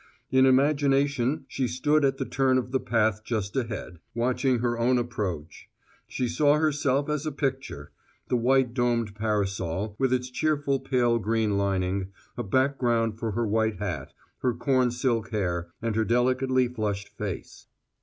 In imagination she stood at the turn of the path just ahead, watching her own approach: she saw herself as a picture the white domed parasol, with its cheerful pale green lining, a background for her white hat, her corn silk hair, and her delicately flushed face.